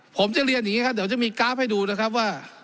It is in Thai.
ผมจะเรียนอย่างนี้ครับเดี๋ยวจะมีกราฟให้ดูนะครับว่า